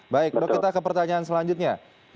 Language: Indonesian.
baik dok kita ke pertanyaan selanjutnya